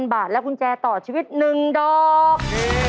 บาทและกุญแจต่อชีวิต๑ดอก